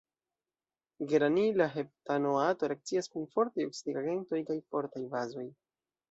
Geranila heptanoato reakcias kun fortaj oksidigagentoj kaj fortaj bazoj.